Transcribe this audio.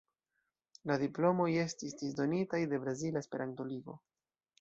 La diplomoj estis disdonitaj de Brazila Esperanto-Ligo.